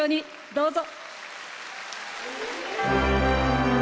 どうぞ。